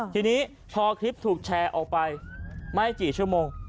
ทีนี้พอคลิปถูกแชร์ออกไปไม่กี่ชั่วโมง